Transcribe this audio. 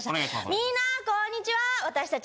みんなこんにちは私たち